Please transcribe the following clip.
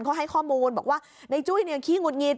เขาให้ข้อมูลบอกว่าในจุ้ยเนี่ยขี้หงุดหงิด